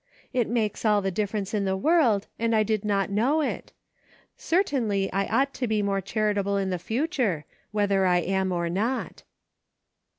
It makes all the difference in the world, and I did not know it. Certainly I ought to be more charitable in the future, whether T am or not."